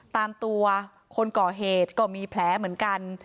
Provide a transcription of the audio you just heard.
ตามตัวคนก่อเหตุก็มีแผลเหมือนกัน